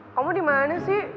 kamu dimana sih